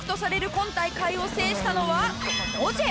今大会を制したのはオジェ